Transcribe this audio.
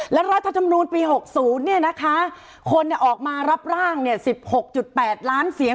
และรัฐธรรมนูลปี๖๐คนออกมารับร่าง๑๖๘ล้านเสียง